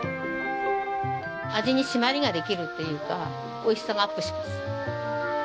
味に締まりができるっていうかおいしさがアップします。